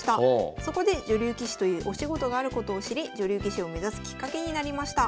そこで女流棋士というお仕事があることを知り女流棋士を目指すきっかけになりました。